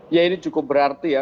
ya ini cukup berarti ya